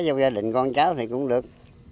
cho gia đình con cháu thì cũng được